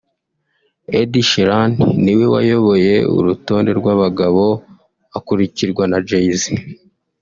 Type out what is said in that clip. Ed Sheeran ni we wayoboye urutonde rw’abagabo akurikirwa na Jay-Z